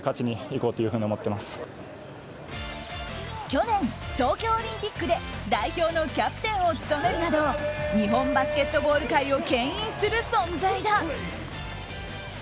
去年、東京オリンピックで代表のキャプテンを務めるなど日本バスケットボール界をけん引する存在だ。